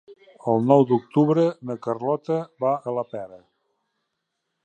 El nou d'octubre na Carlota va a la Pera.